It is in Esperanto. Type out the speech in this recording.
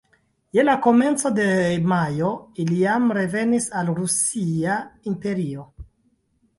Je la komenco de majo, li jam revenis al Rusia imperio.